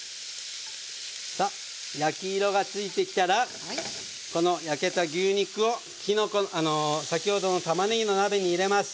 さあ焼き色がついてきたらこの焼けた牛肉を先ほどのたまねぎの鍋に入れます。